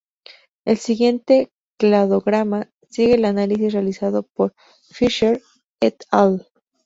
El siguiente cladograma sigue el análisis realizado por Fischer "et al.